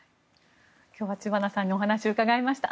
今日は知花さんにお話を伺いました。